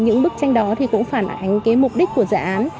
những bức tranh đó cũng phản ảnh mục đích của dự án